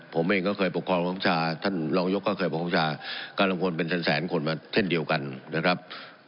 ผมเองก็เคยปกครองของท่านลองยกก็เคยปกครองของท่านการลำควรเป็นแสนคนมาเท่าเดียวกันนะครับ